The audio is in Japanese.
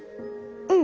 うん。